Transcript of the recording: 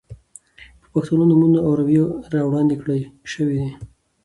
د پښتنو نومونه او روئيې را وړاندې کړے شوې دي.